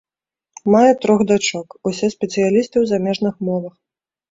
Мае трох дачок, усе спецыялісты ў замежных мовах.